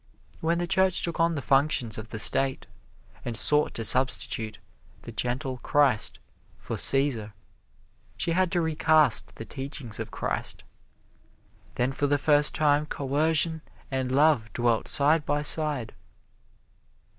When the Church took on the functions of the State, and sought to substitute the gentle Christ for Cæsar, she had to recast the teachings of Christ. Then for the first time coercion and love dwelt side by side.